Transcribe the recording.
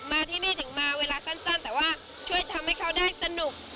มาที่นี่ถึงมาเวลาสั้นแต่ว่าช่วยทำให้เขาได้สนุก